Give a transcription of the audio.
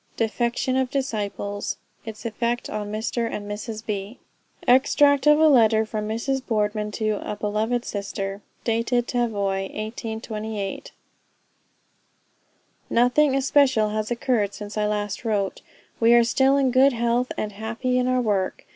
DEFECTION OF DISCIPLES. ITS EFFECT ON MR. AND MRS. B. Extract of a letter from Mrs. Boardman to a "beloved sister," dated Tavoy, 1828. "Nothing especial has occurred since I last wrote. We are still in good health, and happy in our work.